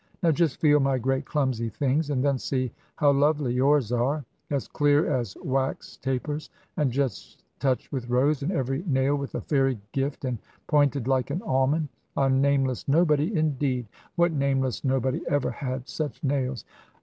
Now just feel my great clumsy things, and then see how lovely yours are as clear as wax tapers, and just touched with rose, and every nail with a fairy gift, and pointed like an almond. A 'nameless nobody' indeed! What nameless nobody ever had such nails?